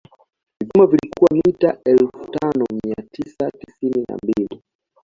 Kipimo kilikuwa mita elfu tano mia tisa tisini na mbili